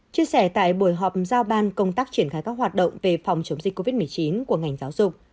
chia sẻ tại buổi họp giao ban công tác triển khai các hoạt động về phòng chống dịch covid một mươi chín của ngành giáo dục